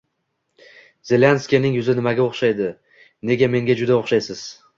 Zelenskiyning yuzi nimaga o'xshaydi? - Nega menga juda o'xshaysiz?